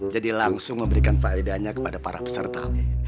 jadi langsung memberikan faedahnya kepada para peserta